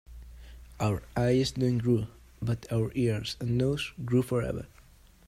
Our eyes don‘t grow, but our ears and nose grow forever.